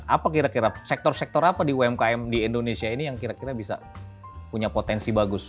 apa kira kira sektor sektor apa di umkm di indonesia ini yang kira kira bisa punya potensi bagus